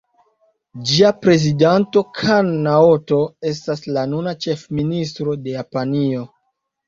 Ĝia prezidanto Kan Naoto estas la nuna ĉefministro de Japanio.